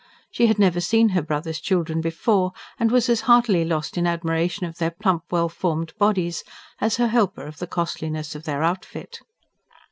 She had never seen her brother's children before and was as heartily lost in admiration of their plump, well formed bodies, as her helper of the costliness of their outfit.